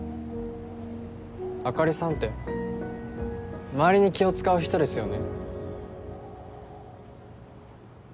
あかりさんって周りに気を使う人ですよね